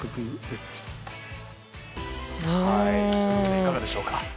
いかがでしょうか？